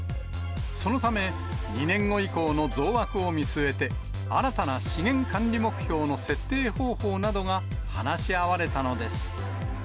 そのため、２年後以降の増枠を見据えて、新たな資源管理目標の設定方法などが話し合われたのです。